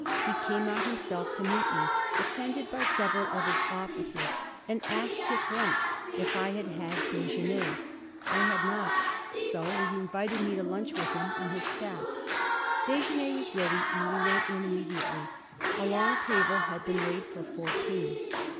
He came out himself to meet me, attended by several of his officers, and asked at once if I had had déjeuner. I had not, so he invited me to lunch with him and with his staff. Déjeuner was ready and we went in immediately. A long table had been laid for fourteen.